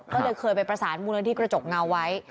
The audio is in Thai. ก็เลยเคยไปประสานมูลนิธิกระจกเงาไว้